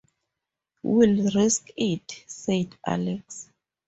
"We'll risk it," said Alex.